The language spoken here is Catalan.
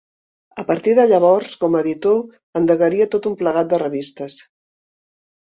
A partir de llavors com a editor endegaria tot un plegat de revistes.